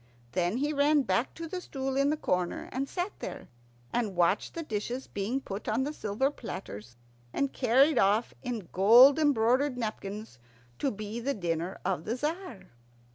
Then he ran back to the stool in the corner, and sat there, and watched the dishes being put on the silver platters and carried off in gold embroidered napkins to be the dinner of the Tzar.